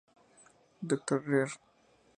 Dr. rer.